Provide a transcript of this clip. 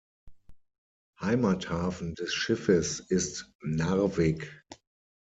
Heimathafen des Schiffes ist Narvik.